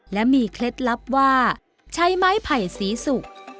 และมีเคล็ดลับว่าใช้ไม้ไผ่สีสุก